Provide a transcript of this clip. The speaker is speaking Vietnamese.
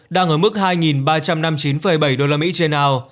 đang ở mức hai ba trăm năm mươi chín bảy đô la mỹ trên ao